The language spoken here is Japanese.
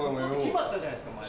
決まったじゃないっすか前。